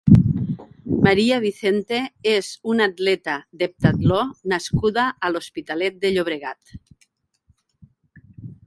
Maria Vicente és una atleta d'heptatló nascuda a l'Hospitalet de Llobregat.